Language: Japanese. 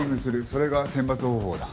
それが選抜方法だ。